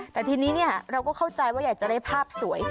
แต่ทีนี้เราก็เข้าใจว่าอยากจะได้ภาพสวย